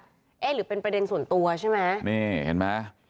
เฮ๊ยหรือเป็นประเด็นส่วนตัวใช่ไหม